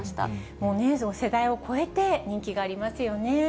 もうね、世代を超えて、人気がありますよね。